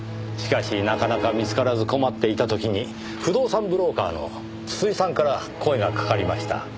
しかしなかなか見つからず困っていた時に不動産ブローカーの筒井さんから声がかかりました。